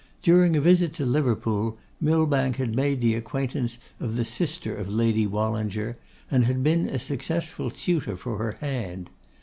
During a visit to Liverpool, Millbank had made the acquaintance of the sister of Lady Wallinger, and had been a successful suitor for her hand.